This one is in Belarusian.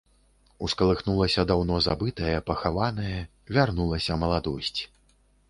Ускалыхнулася даўно забытае, пахаванае, вярнулася маладосць.